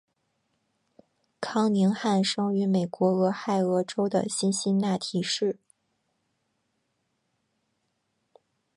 康宁汉生于美国俄亥俄州的辛辛那提市。